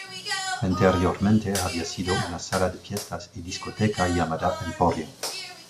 Anteriormente había sido una sala de fiestas y discoteca llamada "Emporio".